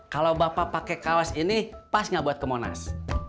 kalau bapak pakai kawas ini pas nggak buat kemonas